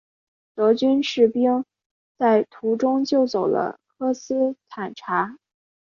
德军士兵在途中救走了科斯坦察。